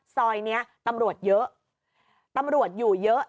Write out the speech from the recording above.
ซอยนี้ตำรวจเยอะตำรวจอยู่เยอะ